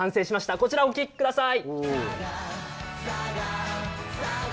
こちらをお聴きください。